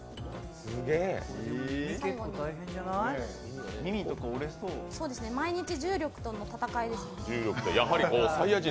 最後に毎日、重力との戦いですね。